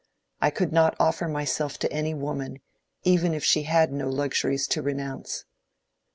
I could not offer myself to any woman, even if she had no luxuries to renounce."